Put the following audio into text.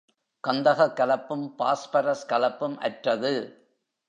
கந்தகக் கலப்பும், பாஸ்பரஸ் கலப்பும் அற்றது.